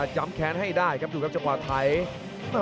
ย้ำแขนให้ได้ครับดูครับจำกว่าไทย